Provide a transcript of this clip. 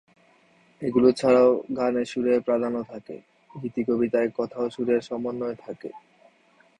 এগুলো ছাড়াও গানে সুরের প্রাধান্য থাকে; গীতিকবিতায় কথা ও সুরের সমন্বয় থাকে।